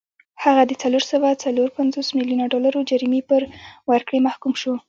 هغه د څلور سوه څلور پنځوس میلیونه ډالرو جریمې پر ورکړې محکوم شو.